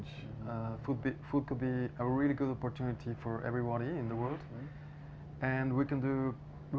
makanan bisa menjadi kesempatan yang sangat bagus untuk semua orang di dunia